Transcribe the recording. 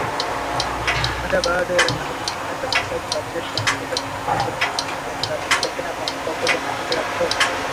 Hata baada ya Rais Uhuru Kenyatta kusaini bajeti ya nyongeza kwa malipo ya shilingi bilioni thelathini za Kenya kwa Mfuko wa Kodi ya Maendeleo ya Petroli.